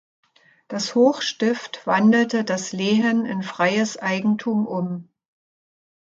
Das Hochstift wandelte das Lehen in freies Eigentum um.